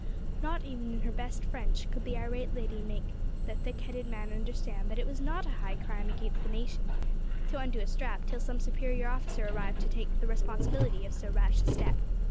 Not even in her best French could the irate lady make the thick headed men understand that it was not a high crime against the nation to undo a strap till some superior officer arrived to take the responsibility of so rash a step.